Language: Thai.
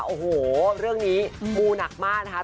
ว่าเนี่ยเรื่องนี้บูหนักมากครับ